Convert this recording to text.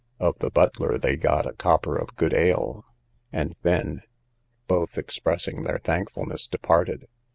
Of the butler they got a copper of good ale, and then, both expressing their thankfulness, departed.